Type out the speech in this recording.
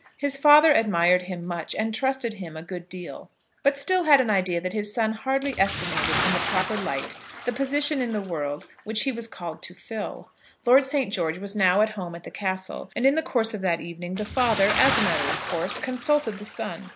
His father admired him much, and trusted him a good deal, but still had an idea that his son hardly estimated in the proper light the position in the world which he was called to fill. Lord St. George was now at home at the Castle, and in the course of that evening the father, as a matter of course, consulted the son.